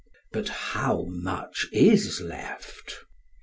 But how much is left?